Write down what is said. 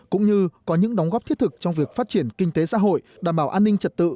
cũng như có những đóng góp thiết thực trong việc phát triển kinh tế xã hội đảm bảo an ninh trật tự